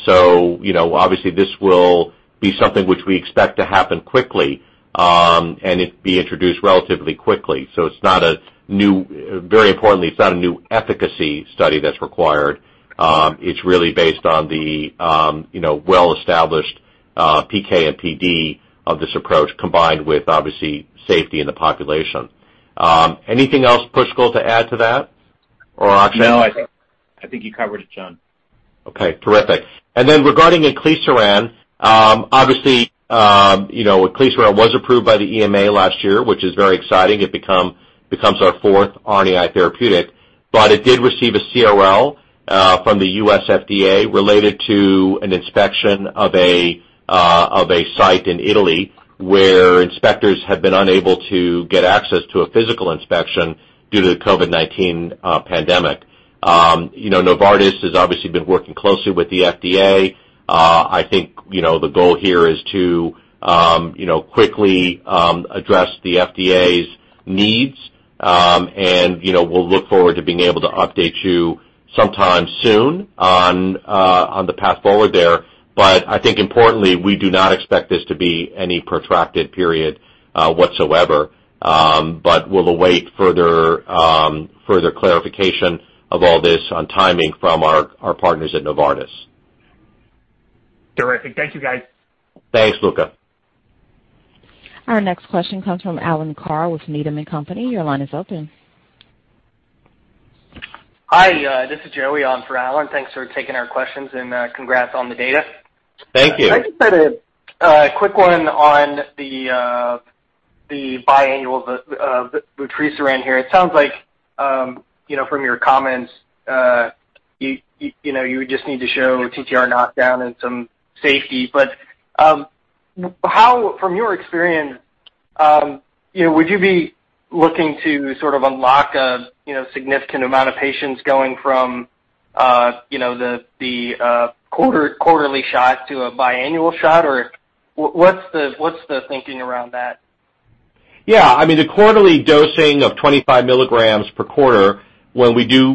So obviously, this will be something which we expect to happen quickly and be introduced relatively quickly. So it's not a new, very importantly, it's not a new efficacy study that's required. It's really based on the well-established PK and PD of this approach combined with, obviously, safety in the population. Anything else, Pushkal, to add to that? Or Akshay? No, I think you covered it, John. Okay. Terrific. And then regarding inclisiran, obviously, inclisiran was approved by the EMA last year, which is very exciting. It becomes our fourth RNAi therapeutic. But it did receive a CRL from the U.S. FDA related to an inspection of a site in Italy where inspectors have been unable to get access to a physical inspection due to the COVID-19 pandemic. Novartis has obviously been working closely with the FDA. I think the goal here is to quickly address the FDA's needs. And we'll look forward to being able to update you sometime soon on the path forward there. But I think, importantly, we do not expect this to be any protracted period whatsoever. But we'll await further clarification of all this on timing from our partners at Novartis. Terrific. Thank you, guys. Thanks, Luca. Our next question comes from Alan Carr with Needham & Company. Your line is open. Hi. This is Jerry Leon for Alan. Thanks for taking our questions, and congrats on the data. Thank you. I just had a quick one on the biannual vutrisiran here. It sounds like from your comments, you would just need to show TTR knockdown and some safety. But from your experience, would you be looking to sort of unlock a significant amount of patients going from the quarterly shot to a biannual shot? Or what's the thinking around that? Yeah. I mean, the quarterly dosing of 25 milligrams per quarter, when we do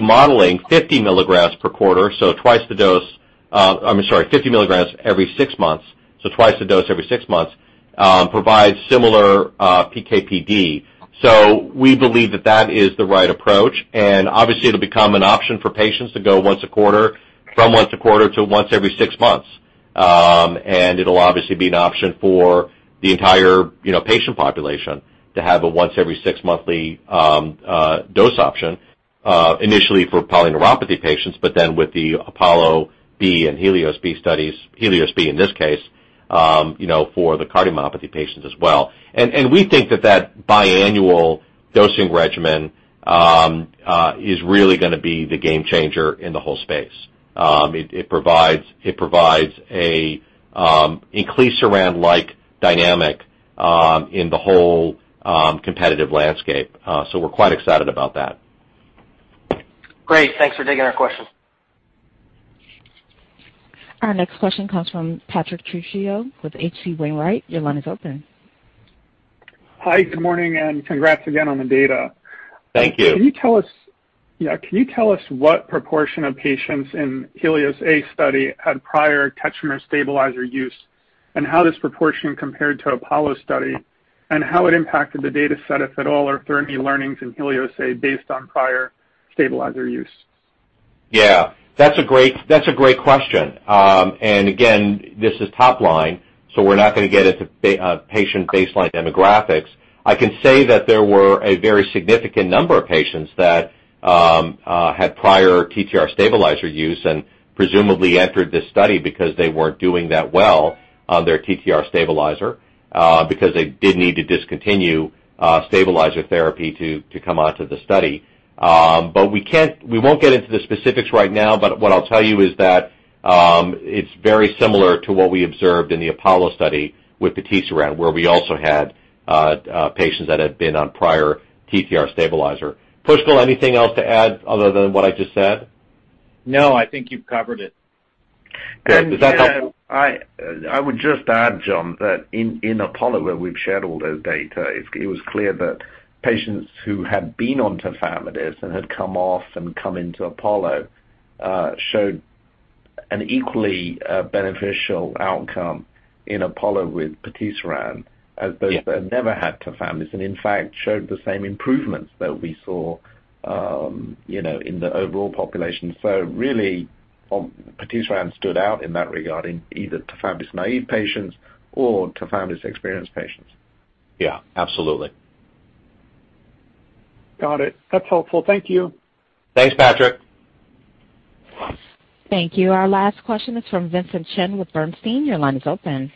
modeling 50 milligrams per quarter, so twice the dose. I'm sorry, 50 milligrams every six months, so twice the dose every six months, provides similar PK/PD. So we believe that that is the right approach. And obviously, it'll become an option for patients to go once a quarter, from once a quarter to once every six months. And it'll obviously be an option for the entire patient population to have a once-every-six-monthly dose option, initially for polyneuropathy patients, but then with the Apollo B and Helios B studies, Helios B in this case, for the cardiomyopathy patients as well. And we think that that biannual dosing regimen is really going to be the game changer in the whole space. It provides an inclisiran-like dynamic in the whole competitive landscape. So we're quite excited about that. Great. Thanks for taking our questions. Our next question comes from Patrick Trucchio with H.C. Wainwright. Your line is open. Hi. Good morning, and congrats again on the data. Thank you. Can you tell us what proportion of patients in Helios A study had prior TTR stabilizer use and how this proportion compared to Apollo study and how it impacted the data set, if at all, or if there are any learnings in Helios A based on prior stabilizer use? Yeah. That's a great question. And again, this is top line, so we're not going to get into patient baseline demographics. I can say that there were a very significant number of patients that had prior TTR stabilizer use and presumably entered this study because they weren't doing that well on their TTR stabilizer because they did need to discontinue stabilizer therapy to come onto the study. But we won't get into the specifics right now. But what I'll tell you is that it's very similar to what we observed in the Apollo study with patisiran, where we also had patients that had been on prior TTR stabilizer. Pushkal, anything else to add other than what I just said? No. I think you've covered it. Good. Does that help? I would just add, John, that in Apollo, where we've shared all the data, it was clear that patients who had been on tafamidis and had come off and come into Apollo showed an equally beneficial outcome in Apollo with patisiran as those that had never had tafamidis and, in fact, showed the same improvements that we saw in the overall population. So really, patisiran stood out in that regard in either tafamidis-naive patients or tafamidis-experienced patients. Yeah. Absolutely. Got it. That's helpful. Thank you. Thanks, Patrick. Thank you. Our last question is from Vincent Chen with Bernstein. Your line is open.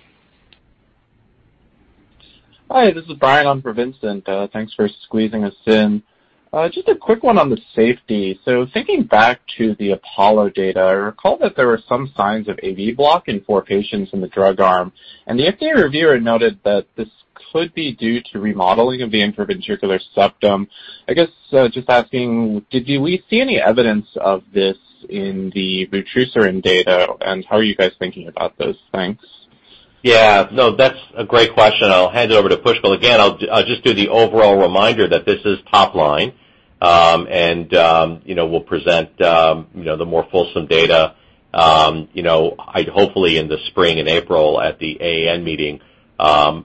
Hi. This is Brian for Vincent. Thanks for squeezing us in. Just a quick one on the safety, so thinking back to the Apollo data, I recall that there were some signs of AV block in four patients in the drug arm, and the FDA reviewer noted that this could be due to remodeling of the intraventricular septum. I guess just asking, did we see any evidence of this in the Vutrisaran data, and how are you guys thinking about those things? Yeah. No, that's a great question. I'll hand it over to Pushkal. Again, I'll just do the overall reminder that this is top line. And we'll present the more fulsome data, hopefully, in the spring and April at the AAN meeting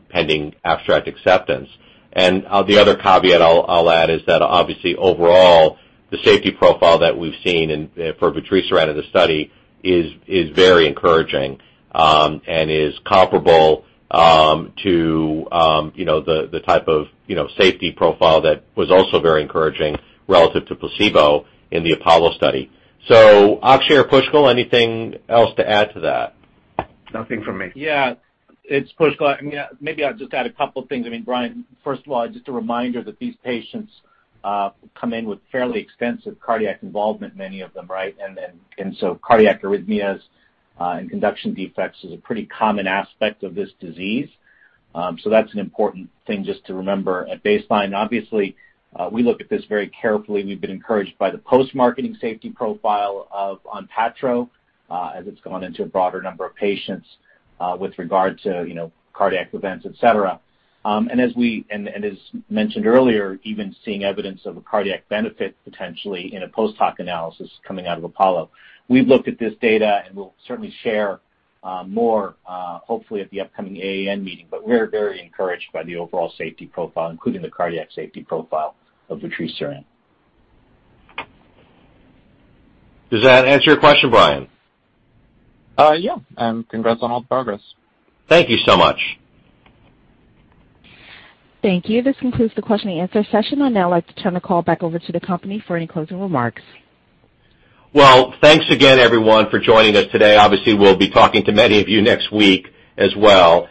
pending abstract acceptance. And the other caveat I'll add is that, obviously, overall, the safety profile that we've seen for Vutrisaran in the study is very encouraging and is comparable to the type of safety profile that was also very encouraging relative to placebo in the Apollo study. So Akshay or Pushkal, anything else to add to that? Nothing from me. Yeah. It's Pushkal. I mean, maybe I'll just add a couple of things. I mean, Brian, first of all, just a reminder that these patients come in with fairly extensive cardiac involvement, many of them, right? And so cardiac arrhythmias and conduction defects is a pretty common aspect of this disease. So that's an important thing just to remember at baseline. Obviously, we look at this very carefully. We've been encouraged by the post-marketing safety profile of Onpattro as it's gone into a broader number of patients with regard to cardiac events, etc. And as mentioned earlier, even seeing evidence of a cardiac benefit potentially in a post-hoc analysis coming out of Apollo. We've looked at this data, and we'll certainly share more, hopefully, at the upcoming AAN meeting. But we're very encouraged by the overall safety profile, including the cardiac safety profile of Vutrisaran. Does that answer your question, Brian? Yeah, and congrats on all the progress. Thank you so much. Thank you. This concludes the question-and-answer session. I'd now like to turn the call back over to the company for any closing remarks. Well, thanks again, everyone, for joining us today. Obviously, we'll be talking to many of you next week as well.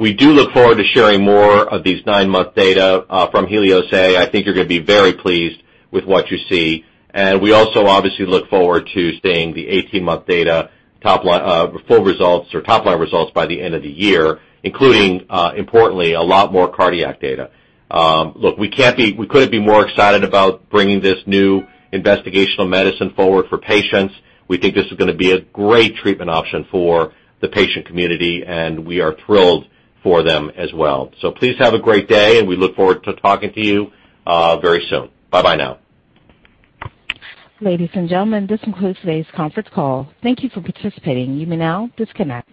We do look forward to sharing more of these nine-month data from Helios A. I think you're going to be very pleased with what you see, and we also, obviously, look forward to seeing the 18-month data full results or top-line results by the end of the year, including, importantly, a lot more cardiac data. Look, we couldn't be more excited about bringing this new investigational medicine forward for patients. We think this is going to be a great treatment option for the patient community, and we are thrilled for them as well, so please have a great day, and we look forward to talking to you very soon. Bye-bye now. Ladies and gentlemen, this concludes today's conference call. Thank you for participating. You may now disconnect.